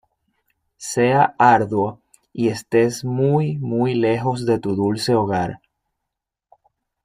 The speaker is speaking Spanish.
Sea arduo y estés muy, muy lejos de tu dulce hogar...